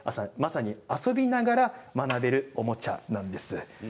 まさに遊びながら学べるおもちゃなんです。